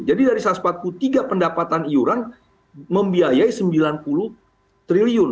jadi dari saspatku tiga pendapatan iuran membiayai rp sembilan puluh triliun